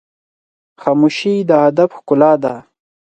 خاموشي، د ادب ښکلا ده.